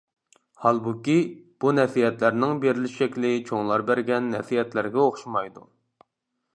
ھالبۇكى، بۇ نەسىھەتلەرنىڭ بېرىلىش شەكلى چوڭلار بەرگەن نەسىھەتلەرگە ئوخشىمايدۇ.